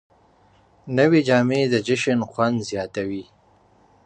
نوې جامې د جشن خوند زیاتوي